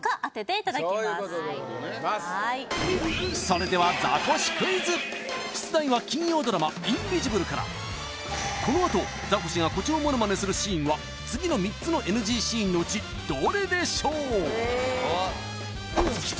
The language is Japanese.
それでは出題は金曜ドラマ「インビジブル」からこのあとザコシが誇張モノマネするシーンは次の３つのＮＧシーンのうちどれでしょう？